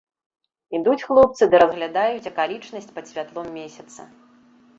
Ідуць хлопцы ды разглядаюць акалічнасць пад святлом месяца.